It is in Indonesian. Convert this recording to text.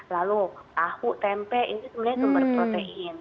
lalu tahu tempe ini sebenarnya sumber protein